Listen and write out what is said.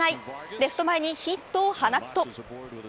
レフト前にヒットを放つと。